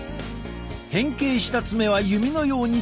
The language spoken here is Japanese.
変形した爪は弓のように力を蓄える。